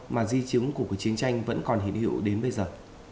mà di chứng của chiến tranh vẫn còn hiện hiệu đến bây giờ